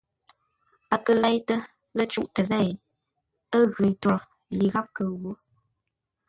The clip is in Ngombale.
Ə́ kə́ leitə́ lə́ cûʼtə zêi ə́ ńgʉ́ ntwor yi gháp kə ghwo.